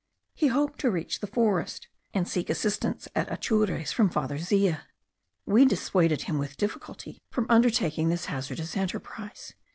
He hoped to reach the forest, and seek assistance at Atures from Father Zea. We dissuaded him with difficulty from undertaking this hazardous enterprise.